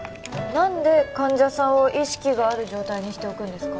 何で患者さんを意識がある状態にしておくんですか？